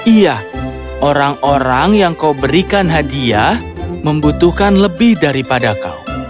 iya orang orang yang kau berikan hadiah membutuhkan lebih daripada kau